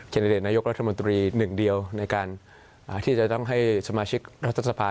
ดิเดตนายกรัฐมนตรีหนึ่งเดียวในการที่จะต้องให้สมาชิกรัฐสภา